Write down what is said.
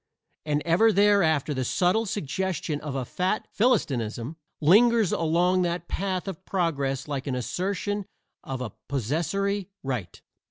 And ever thereafter the subtle suggestion of a fat philistinism lingers along that path of progress like an assertion of a possessory right.